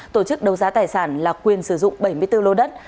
tổ chức đấu giá tài sản là quyền sử dụng bảy mươi bốn lô đất